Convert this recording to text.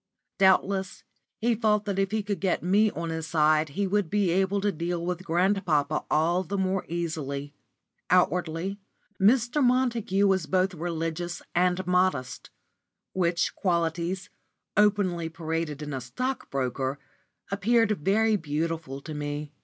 Doubtless he felt that if he could get me on his side he would be able to deal with grandpapa all the more easily. Outwardly Mr. Montague was both religious and modest; which qualities, openly paraded in a stockbroker, appeared very beautiful to me.